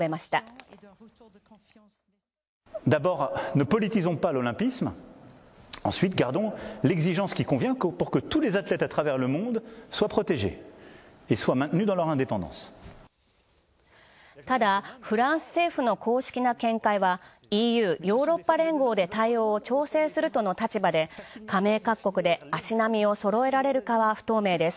ただフランス政府の公式な見解はＥＵ＝ヨーロッパ連合で対応を調整するとの立場で加盟各国で足並みをそろえられるかは不透明です。